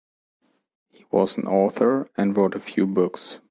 He was an author and wrote a few books.